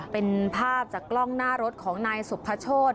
เป็นภาพจากกล้องหน้ารถของนายสุภโชธ